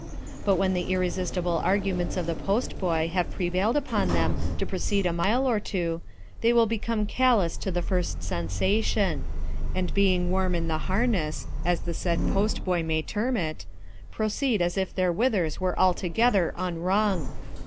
But when the irresistible arguments of the post boy have prevailed upon them to proceed a mile or two, they will become callous to the first sensation; and being warm in the harness, as the said post boy may term it, proceed as if their withers were altogether unwrung.